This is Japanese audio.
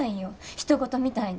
ひと事みたいに。